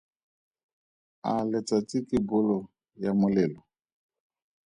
A letsatsi ke bolo ya molelo?